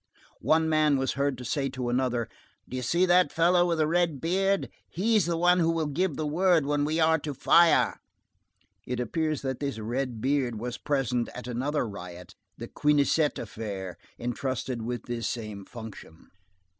One man was heard to say to another: "Do you see that fellow with a red beard, he's the one who will give the word when we are to fire." It appears that this red beard was present, at another riot, the Quénisset affair, entrusted with this same function.